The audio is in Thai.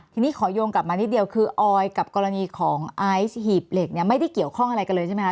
ทีนี้ขอโยงกลับมานิดเดียวคือออยกับกรณีของไอซ์หีบเหล็กเนี่ยไม่ได้เกี่ยวข้องอะไรกันเลยใช่ไหมค